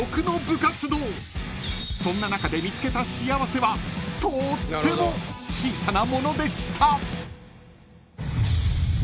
［そんな中で見つけた幸せはとーっても小さなものでした］